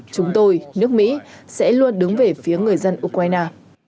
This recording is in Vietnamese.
chúng tôi nước mỹ sẽ luôn đứng về phía người dân ukraine